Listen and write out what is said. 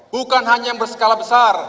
bukan hanya berskala besar